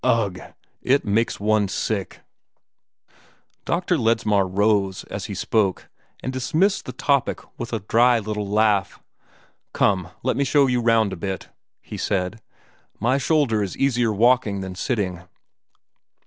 Ugh! It makes one sick!" Dr. Ledsmar rose, as he spoke, and dismissed the topic with a dry little laugh. "Come, let me show you round a bit," he said. "My shoulder is easier walking than sitting."